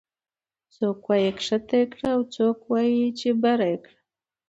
څوک وايي ښکته کړه او څوک وايي چې بره کړه